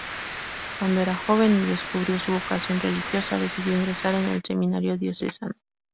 Cuando era joven y descubrió su vocación religiosa, decidió ingresar en el seminario diocesano.